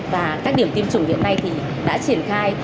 và các điểm tiêm chủng hiện nay thì đã triển khai